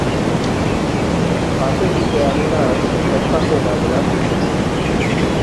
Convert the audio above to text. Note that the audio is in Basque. Bat-egitea beraz, bertan behera geratu zen.